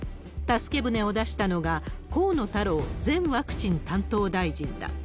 助け船を出したのが、河野太郎前ワクチン担当大臣だ。